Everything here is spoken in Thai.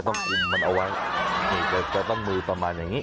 ใช่ต้องคุมมันเอาไว้ในตั้งมือประมาณอย่างนี้